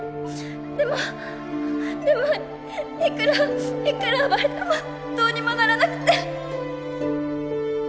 でもでもいくらいくらあがいてもどうにもならなくて。